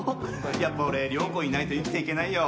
やっぱ俺、亮子いないと生きていけないよ。